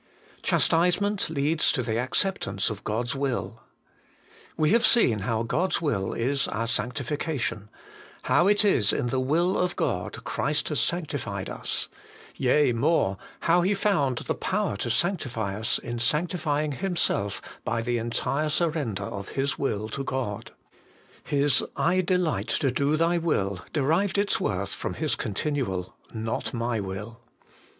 Chastisement leads to the acceptance of God's will. We have seen how God's will is our sanctification ; how it is in the will of God Christ has sanctified us ; yea more, how He found the power to sanctify us in sanctifying Himself by the entire surrender of His will to God. His ' I delight to do Thy will ' derived its worth from His continual 'Not my will.'